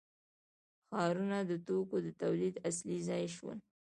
ښارونه د توکو د تولید اصلي ځای شول.